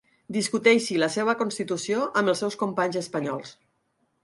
Discuteixi la seva constitució amb els seus companys espanyols.